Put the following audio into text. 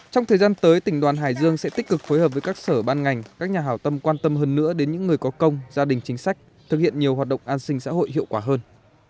trong thời gian tới tỉnh đoàn hải dương sẽ tích cực phối hợp với các sở ban ngành các nhà hào tâm quan tâm hơn nữa đến những người có công gia đình chính sách thực hiện nhiều hoạt động an sinh xã hội hiệu quả hơn